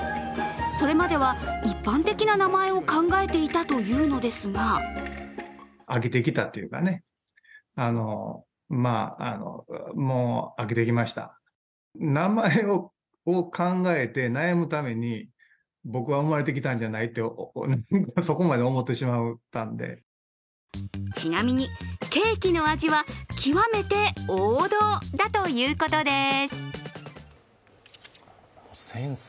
それまでは一般的な名前を考えていたというのですがちなみにケーキの味は極めて王道だということです。